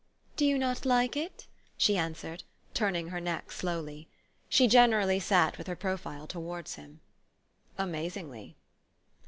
" Do you not like it?" she answered, turning her neck slowly. She generally sat with her profile to wards him. " Amazingly."